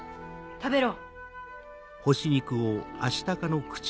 食べろ。